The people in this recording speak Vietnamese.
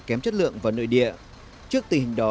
kém chất lượng vào nội địa trước tình hình đó